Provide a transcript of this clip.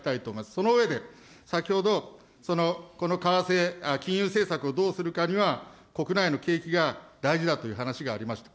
その上で、先ほど、この為替、金融政策をどうするかには、国内の景気が大事だという話がありました。